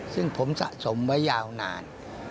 ซึ่งผมสะสมไว้ยาวนาน